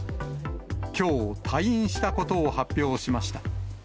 きょう、退院したことを発表しました。